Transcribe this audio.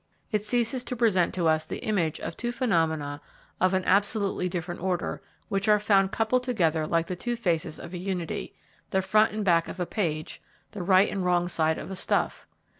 It ceases to present to us the image of two phenomena of an absolutely different order, which are found coupled together like the two faces of a unity, the front and back of a page, the right and wrong side of a stuff.